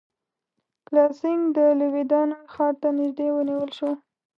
کالاسینګهـ د لودیانې ښار ته نیژدې ونیول شو.